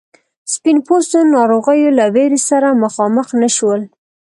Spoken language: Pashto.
سپین پوستو ناروغیو له ویرې سره مخامخ نه شول.